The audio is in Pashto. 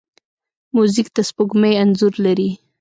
موزیک د سپوږمۍ انځور لري.